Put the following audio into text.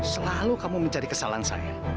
selalu kamu mencari kesalahan saya